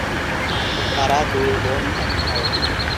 তাঁরা দুই বোন এক ভাই।